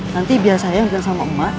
nanti biar saya hujan sama emak